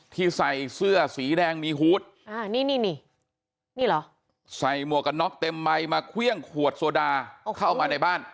ที่ใส่เสื้อสีแดงมีฮูตใส่มวกกัน๊อกเต็มใหม่มาเครื่องขวดโซดาเข้ามาในบ้าน